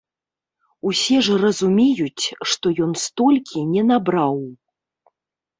Усе ж разумеюць, што ён столькі не набраў.